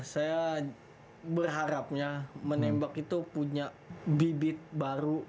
saya berharapnya menembak itu punya bibit baru